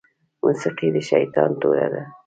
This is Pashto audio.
موسيقي د شيطان توره ده